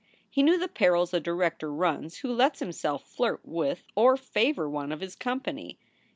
He knew the perils a director runs who lets himself flirt with or favor one of his company.